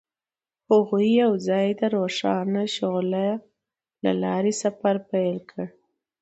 هغوی یوځای د روښانه شعله له لارې سفر پیل کړ.